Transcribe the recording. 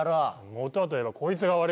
元はといえばこいつが悪いんだよ。